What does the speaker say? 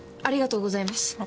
ありがとうございます。